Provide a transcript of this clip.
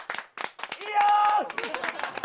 いいよ！